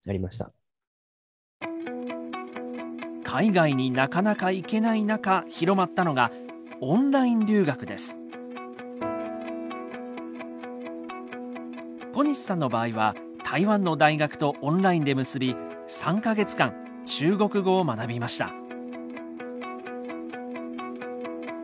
海外になかなか行けない中広まったのが小西さんの場合は台湾の大学とオンラインで結び３か月間中国語を学びました。